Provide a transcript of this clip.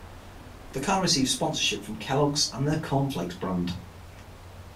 The car received sponsorship from Kellogg's and their Corn flakes brand.